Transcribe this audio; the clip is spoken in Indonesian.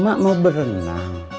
emak mau berenang